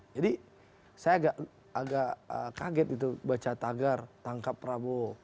jadi saya agak kaget itu baca tagar tangkap prabowo